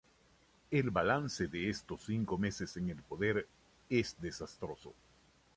El balance de estos cinco meses en el poder es desastroso.